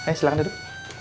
eh silahkan duduk